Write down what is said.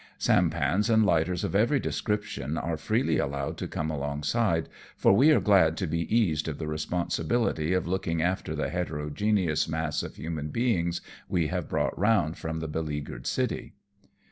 Sampans and lighters of every description are freely allowed to come alongside, for we are glad to be eased of the responsibility of looking after the heterogeneous mass of human beings we have brought round from the beleaguered city.